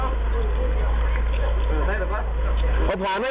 มึงเตรียม